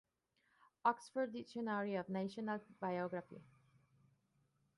Oxford Dictionary of National Biography.